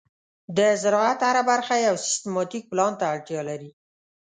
د زراعت هره برخه یو سیستماتيک پلان ته اړتیا لري.